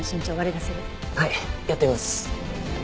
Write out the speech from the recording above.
はいやってみます。